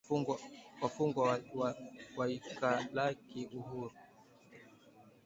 Wafungwa awaikalaki huuru